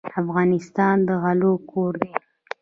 افغانستان د غلو کور دی.